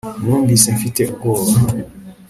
Numvise mfite ubwoba